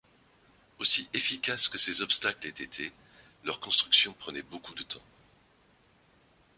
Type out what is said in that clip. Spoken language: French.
Aussi efficace que ces obstacles aient été, leurs constructions prenaient beaucoup de temps.